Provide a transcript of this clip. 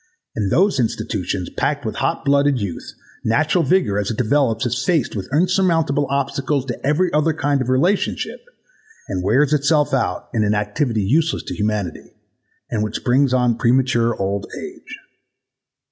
In those institutions packed with hot blooded ( youth natural vigour, as it develops, is faced with insurmountable obstacles to every other kind of relationship and wears itself out in an activity useless to humanity, and which brings on premature old age."